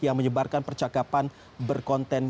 yang menyebarkan percakapan berkonten